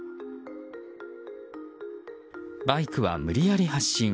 バイクは無理やり発進。